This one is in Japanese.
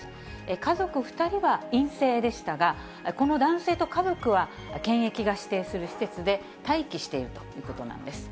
家族２人が陰性でしたが、この男性と家族は、検疫が指定する施設で待機しているということなんです。